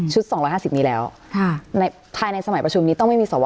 ชุดสองร้อยห้าสิบนี่แล้วค่ะในภายในสมัยประชุมนี้ต้องไม่มีสว